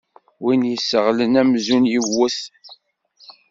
Win yesseɣlen amzun yewwet.